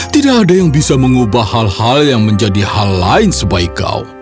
tidak ada yang bisa mengubah hal hal yang menjadi hal lain sebaik kau